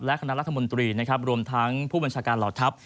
และคณะรัฐมนตรีนะครับรวมทั้งผู้บัญชาการเหล่าทัพ